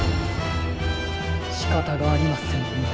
しかたがありませんね。